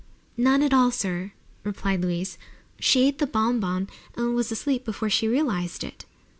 "None at all, sir," replied Louise. "She ate the bon bon, and was asleep before she realized it."